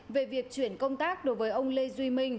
về việc chuyển công tác đối với ông lê duy minh